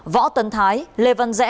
võ tấn thái lê văn rẽ ba năm tù